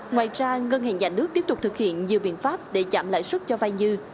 ngoài ra ngân hàng nhà nước tiếp tục thực hiện nhiều biện pháp để giảm lãi suất cho vay như